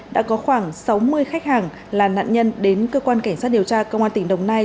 đã có khoảng sáu mươi khách hàng là nạn nhân đến cơ quan cảnh sát điều tra công an tỉnh đồng nai